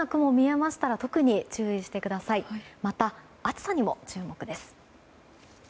また、暑さにも注目です。